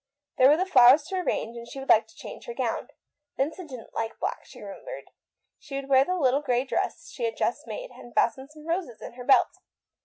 There were the flowers to arrange, and she would like to change her gown. Vincent didn't like black, she remembered ; she would wear the little grey dress she had just had made, and stick some roses in her belt.